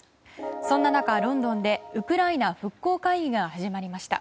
そんな中、ロンドンでウクライナ復興会議が始まりました。